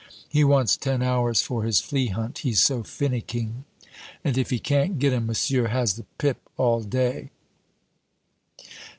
He wants ten hours for his flea hunt, he's so finicking; and if he can't get 'em, monsieur has the pip all day."